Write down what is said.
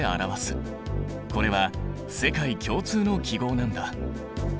これは世界共通の記号なんだ。